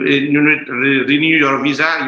anda harus mengubah visa anda